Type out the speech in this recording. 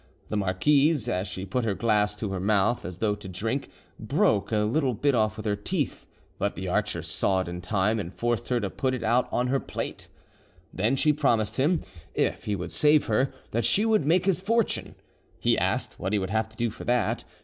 The marquise, as she put her glass to her mouth as though to drink, broke a little bit off with her teeth; but the archer saw it in time, and forced her to put it out on her plate. Then she promised him, if he would save her, that she would make his fortune. He asked what he would have to do for that.